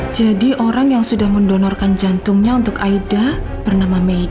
jangan lupa like share dan subscribe ya